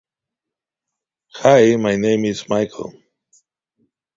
Bugge's final works regarding original rune scripture were not completed before he died.